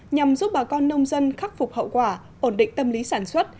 nhằm giúp bà con nông dân khắc phục hậu quả ổn định tâm lý sản xuất